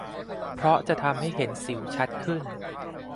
เพราะจะทำให้เห็นสิวชัดขึ้น